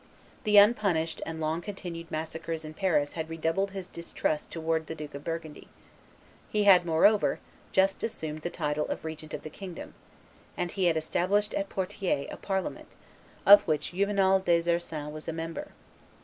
The unpunished and long continued massacres in Paris had redoubled his distrust towards the Duke of Burgundy; he had, moreover, just assumed the title of regent of the kingdom; and he had established at Poitiers a parliament, of which Juvenal des Ursins was a member.